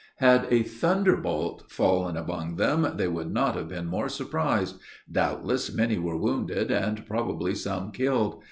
Had a thunderbolt fallen among them, they could not have been more surprised. Doubtless, many were wounded, and probably some killed.